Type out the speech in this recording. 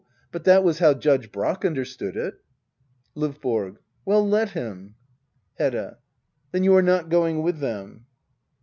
But that was how Judge Brack understood it. L^YBORO. WeU, lethim. Hedda. Then you are not going with them